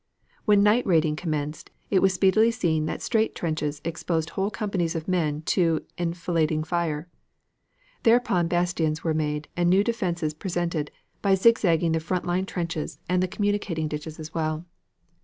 When night raiding commenced, it was speedily seen that straight trenches exposed whole companies of men to enfilading fire. Thereupon bastions were made and new defenses presented by zig zagging the front line trenches and the communicating ditches as well.